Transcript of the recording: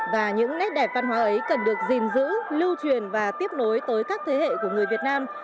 và những nét đẹp văn hóa ấy cần được gìn giữ lưu truyền và tiếp nối tới các thế hệ của người việt nam